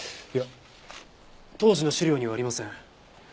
いや当時の資料にはありません。